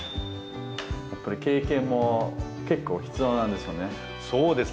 やっぱり経験も結構必要なんですよね？